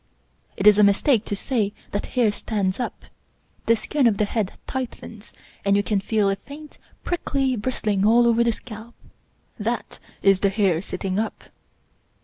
It is a mistake to say that hair stands up. The skin of the head tightens and you can feel a faint, prickly, bristling all over the scalp. That is the hair sit ting up.